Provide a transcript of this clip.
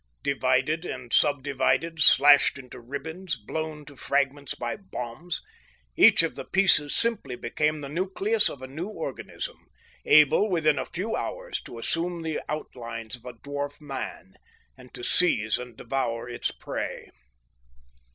Divided and sub divided, slashed into ribbons, blown to fragments by bombs, each of the pieces simply became the nucleus of a new organism, able, within a few hours, to assume the outlines of a dwarf man, and to seize and devour its prey.